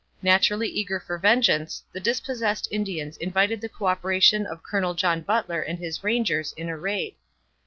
Naturally eager for vengeance, the dispossessed Indians invited the co operation of Colonel John Butler and his rangers in a raid.